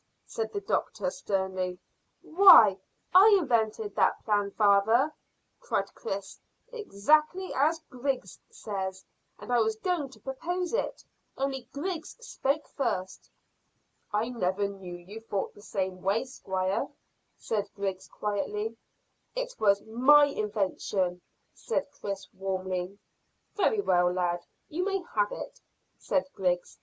said the doctor sternly. "Why, I invented that plan, father," cried Chris, "exactly as Griggs says; and I was going to propose it, only Griggs spoke first." "I never knew you thought the same way, squire," said Griggs quietly. "It was my invention," said Chris warmly. "Very well, lad, you may have it," said Griggs.